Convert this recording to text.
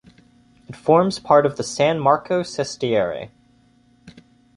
It forms part of the San Marco sestiere.